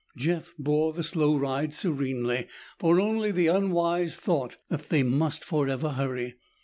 Jeff bore the slow ride serenely, for only the unwise thought that they must forever hurry.